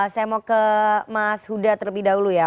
saya mau ke mas huda terlebih dahulu ya